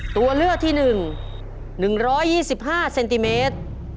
ตัวเลือกที่๑๑๒๕เซนติเมตร